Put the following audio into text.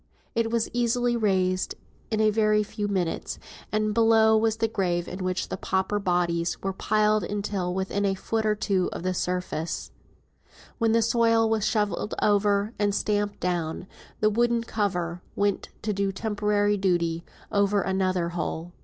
It was easily raised in a very few minutes, and below was the grave in which pauper bodies were piled until within a foot or two of the surface; when the soil was shovelled over, and stamped down, and the wooden cover went to do temporary duty over another hole.